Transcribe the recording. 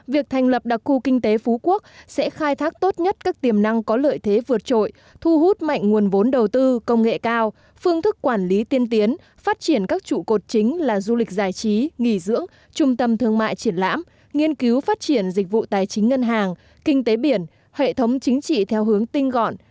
việc thành lập đặc khu kinh tế phú quốc sẽ khai thác tốt nhất các tiềm năng có lợi thế vượt trội thu hút mạnh nguồn vốn đầu tư công nghệ cao phương thức quản lý tiên tiến phát triển các trụ cột chính là du lịch giải trí nghỉ dưỡng trung tâm thương mại triển lãm nghiên cứu phát triển dịch vụ tài chính ngân hàng kinh tế biển hệ thống chính trị theo hướng tinh gọn